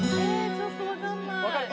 ちょっと分かんない分かる？